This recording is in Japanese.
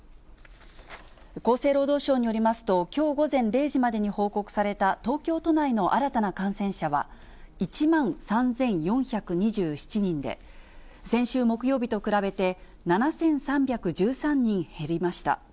厚生労働省によりますと、きょう午前０時までに報告された東京都内の新たな感染者は１万３４２７人で、先週木曜日と比べて７３１３人減りました。